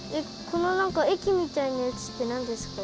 このなんかえきみたいなやつってなんですか？